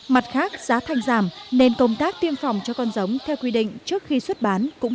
mặt khác giá thành giảm nên công tác tiêm phòng cho con giống theo quy định trước khi xuất bán cũng